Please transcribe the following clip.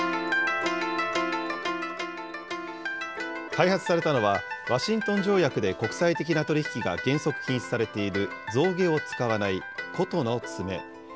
開発されたのはワシントン条約で国際的な取り引きが原則禁止されている、象牙を使わない箏の爪。